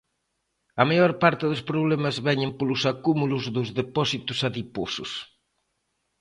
A maior parte dos problemas veñen polos acúmulos dos depósitos adiposos.